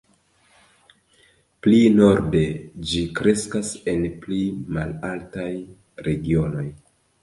Pli norde, ĝi kreskas en pli malaltaj regionoj.